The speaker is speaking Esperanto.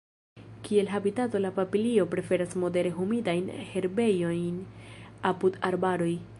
Kiel habitato la papilio preferas modere humidajn herbejojn apud arbaroj.